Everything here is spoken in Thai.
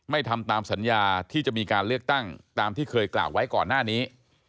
ทำตามสัญญาที่จะมีการเลือกตั้งตามที่เคยกล่าวไว้ก่อนหน้านี้